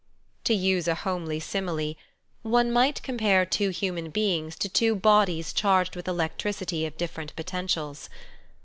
To use a homely simile— one might compare two human beings to two bodies charged with electricity of different potentials.